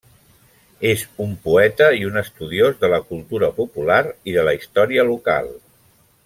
És un poeta i un estudiós de la cultura popular i de la història local.